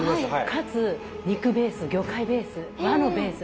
かつ肉ベース魚介ベース和のベース